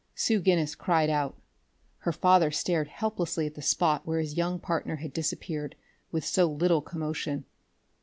Sue Guinness cried out. Her father stared helplessly at the spot where his young partner had disappeared with so little commotion.